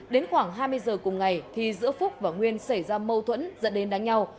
đến khoảng hai mươi giờ cùng ngày thì giữa phúc và nguyên xảy ra mâu thuẫn dẫn đến đánh nhau